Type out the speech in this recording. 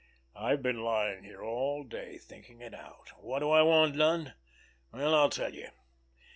"I've been lying here all day thinking it out. What do I want done? Well, I'll tell you!